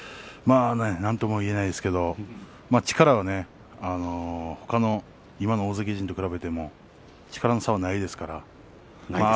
なんとも言えないですけれど力は今の大関陣と比べても力の差はないですからね。